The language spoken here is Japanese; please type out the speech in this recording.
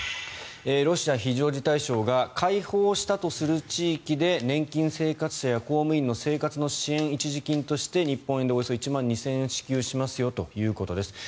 ロシア非常事態省が解放したとする地域で年金生活者や公務員の支援一時金として日本円でおよそ１万２０００円支給するということです。